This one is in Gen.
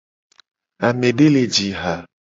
Amede le ji ha.